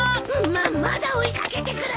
まっまだ追い掛けてくる！